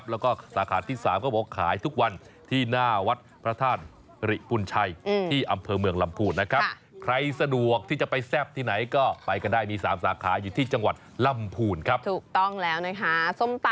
แล้วก็ใส่แก้วแล้วก็ใส่ท้องเรา